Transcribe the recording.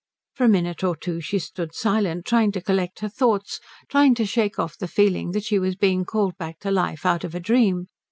For a minute or two she stood silent, trying to collect her thoughts, trying to shake off the feeling that she was being called back to life out of a dream.